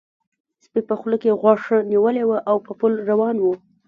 سپي په خوله کې غوښه نیولې وه او په پل روان و.